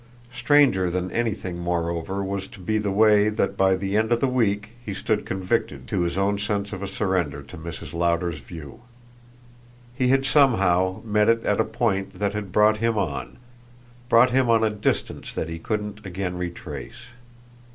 Stranger than anything moreover was to be the way that by the end of a week he stood convicted to his own sense of a surrender to Mrs. Lowder's view. He had somehow met it at a point that had brought him on brought him on a distance that he couldn't again retrace.